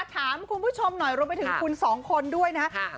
ถามคุณผู้ชมหน่อยรวมไปถึงคุณสองคนด้วยนะครับ